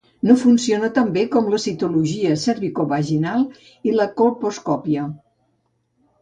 No funciona tan bé com la citologia cervicovaginal i la colposcòpia.